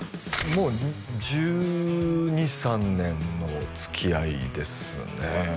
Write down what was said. もう１２１３年のつきあいですね